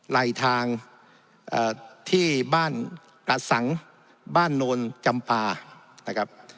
ไหลทางที่บ้านกระสังบ้านโนนจำปานะครับ